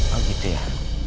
oh gitu ya